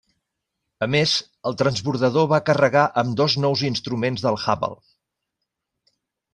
A més, el transbordador va carregar amb dos nous instruments del Hubble.